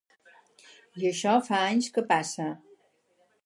I això fa anys que passa.